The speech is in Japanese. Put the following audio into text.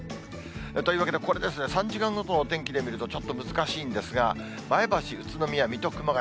というわけで、これですね、３時間ごとのお天気で見ると、ちょっと難しいんですが、前橋、宇都宮、水戸、熊谷。